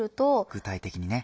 具体的にね。